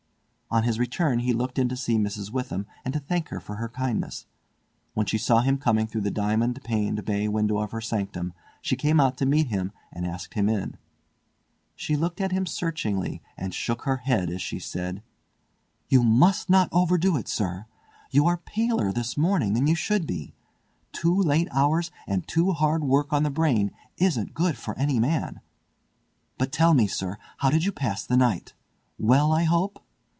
On his return he looked in to see Mrs. Witham and to thank her for her kindness. When she saw him coming through the diamond paned bay window of her sanctum she came out to meet him and asked him in. She looked at him searchingly and shook her head as she said: "You must not overdo it, sir. You are paler this morning than you should be. Too late hours and too hard work on the brain isn't good for any man! But tell me, sir, how did you pass the night? Well, I hope?